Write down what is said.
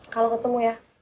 kalau ketemu ya